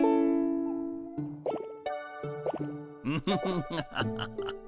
フフフハハハハ。